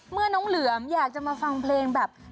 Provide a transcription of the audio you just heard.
เมื่อน้องเหลือมอยากจะมาฟังเพลงแบบ